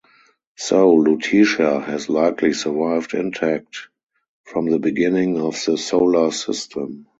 So, Lutetia has likely survived intact from the beginning of the Solar System.